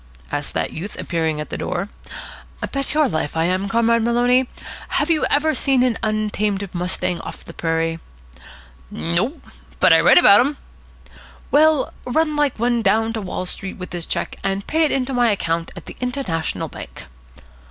asked that youth, appearing at the door. "Bet your life I am, Comrade Maloney. Have you ever seen an untamed mustang of the prairie?" "Nope. But I've read about dem." "Well, run like one down to Wall Street with this cheque, and pay it in to my account at the International Bank."